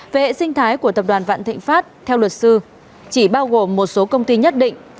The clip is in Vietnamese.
về hệ sinh thái của tập đoàn vạn thịnh pháp theo luật sư chỉ bao gồm một số công ty nhất định